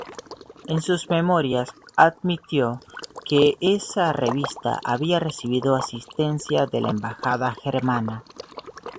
En sus memorias, admitió que esa revista había recibido asistencia de la Embajada germana.